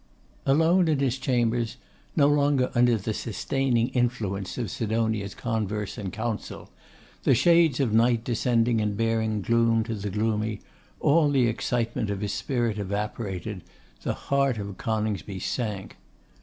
Alone in his chambers, no longer under the sustaining influence of Sidonia's converse and counsel, the shades of night descending and bearing gloom to the gloomy, all the excitement of his spirit evaporated, the heart of Coningsby sank.